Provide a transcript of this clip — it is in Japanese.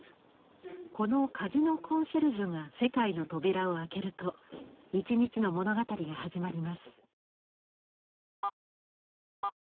この「鍵のコンシェルジュ」が世界の扉を開けると一日の物語が始まります。